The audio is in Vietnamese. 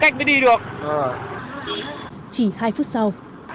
chỉ hai phút sau